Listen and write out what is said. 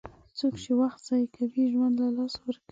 څوک چې وخت ضایع کوي، ژوند له لاسه ورکوي.